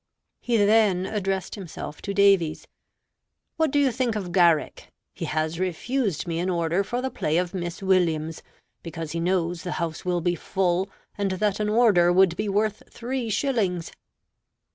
He then addressed himself to Davies: "What do you think of Garrick? He has refused me an order for the play of Miss Williams, because he knows the house will be full, and that an order would be worth three shillings."